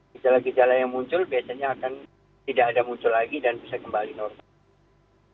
gejala gejala yang muncul biasanya akan tidak ada muncul lagi dan bisa kembali normal